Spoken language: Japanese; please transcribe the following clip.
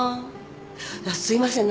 いやすいません。